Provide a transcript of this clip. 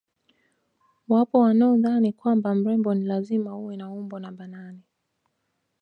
Wapo wanaodhani kwamba mrembo ni lazima uwe na umbo namba nane